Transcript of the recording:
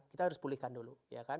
kita harus pulihkan dulu